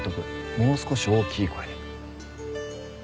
もう少し大きい声で。